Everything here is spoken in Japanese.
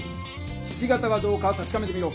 ひし形かどうかたしかめてみろ！